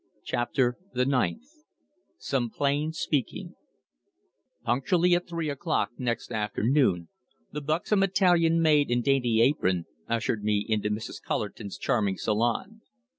CHAPTER THE NINTH SOME PLAIN SPEAKING Punctually at three o'clock next afternoon the buxom Italian maid in dainty apron, ushered me into Mrs. Cullerton's charming salone.